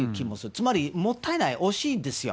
つまりもったいない、惜しいんですよ。